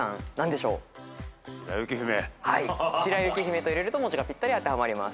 「しらゆきひめ」と入れると文字がぴったり当てはまります。